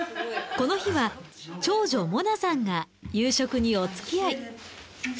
この日は長女萌七さんが夕食にお付き合い。